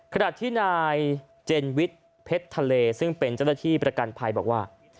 ขณะที่นายเจนวิทย์เพชรทะเลซึ่งเป็นเจ้าหน้าที่ประกันภัยบอกว่า